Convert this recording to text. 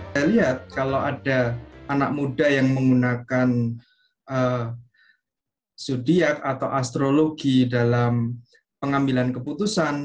saya lihat kalau ada anak muda yang menggunakan sudiak atau astrologi dalam pengambilan keputusan